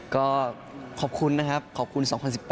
ก็ขอบคุณนะครับขอบคุณ๒๐๑๘